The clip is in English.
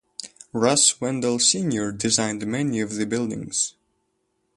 Russ Wendel Senior designed many of the buildings.